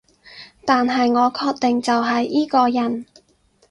但係我確定就係依個人